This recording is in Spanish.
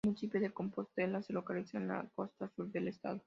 El municipio de Compostela se localiza en la costa "sur" del estado.